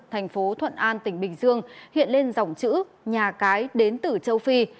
thành phố thuận an tỉnh bình dương hiện lên dòng chữ nhà cái đến từ châu phi